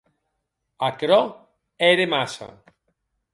Aquerò ère massa.